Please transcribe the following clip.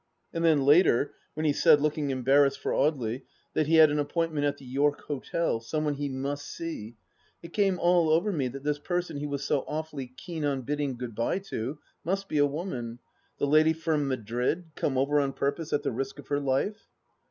And then later, when he said, looking embarrassed — ^for Audely — ^that he had an appointment at the York Hotel — some one he must see — it came all over me that this person he was so awfully keen on bidding good bye to must be a woman: the lady from Madrid, come over, on purpose, at the risk of her life